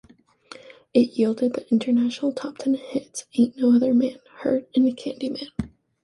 It yielded the international top-ten hits "Ain't No Other Man", "Hurt" and "Candyman".